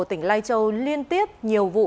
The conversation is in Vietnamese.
tỉnh lai châu liên tiếp nhiều vụ